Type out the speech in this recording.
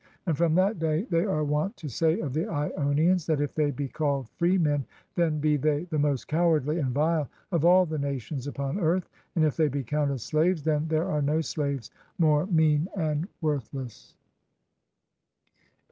And from that day they are wont to say of the lonians that, if they be called free men, then be they the most cowardly and vile of all the nations upon earth; and if they be counted slaves, then there are no slaves more mean and worthless.